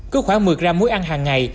cứ khoảng một mươi gram muối ăn hàng ngày